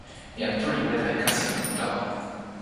jan Tu li weka e kasi tan uta ona.